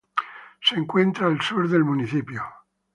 Se encuentra al sur del municipio.